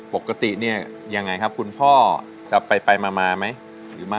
ปกติเนี่ยยังไงครับคุณพ่อจะไปมาไหม